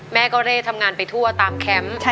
แม่ก็เร่ทำงานไปทั่วตามแคมป์